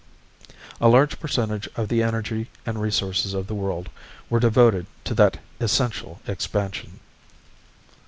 A large percentage of the energy and resources of the world were devoted to that essential expansion.